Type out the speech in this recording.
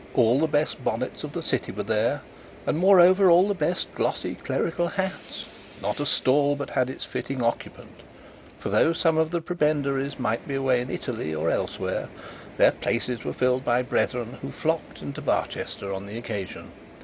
All the best bonnets of the city were there, and moreover all the best glossy clerical hats. Not a stall but had its fitting occupant; for though some of the prebendaries might be away in Italy or elsewhere, their places were filled by brethren, who flocked into Barchester on the occasion.